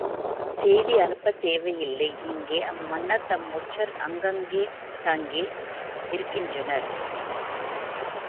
செய்தி அனுப்பத் தேவை இல்லை இங்கே அம்மன்னர் தம் ஒற்றர் அங்கங்கே தங்கி இருக்கின்றனர்.